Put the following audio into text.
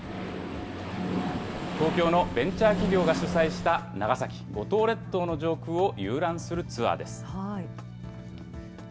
東京のベンチャー企業が主催した、長崎・五島列島の上空を遊覧するツアーです。